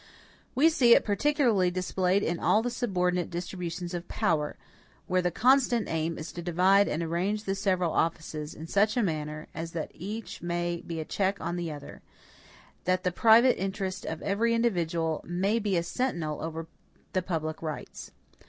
We see it particularly displayed in all the subordinate distributions of power, where the constant aim is to divide and arrange the several offices in such a manner as that each may be a check on the other that the private interest of every individual may be a sentinel over the public rights.